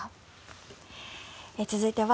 続いては。